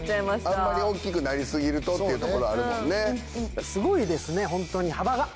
あんまり大っきくなり過ぎるとっていうところあるもんね。